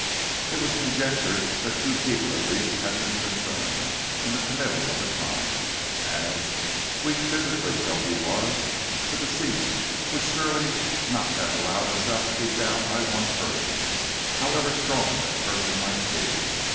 It was conjectured that two people at least had been concerned in the committal of the crime, as, weak physically though he was, the deceased would surely not have allowed himself to be bound by one person, however strong that person might be.